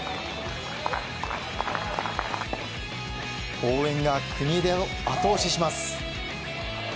応援が国枝を後押しします。